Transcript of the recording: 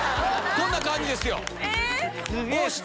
こんな感じですよ。